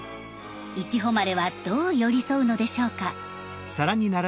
いちほまれはどう寄り添うのでしょうか。